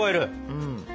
うん。